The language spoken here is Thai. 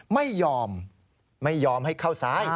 ไม่ยอมไม่ยอมให้เข้าซ้าย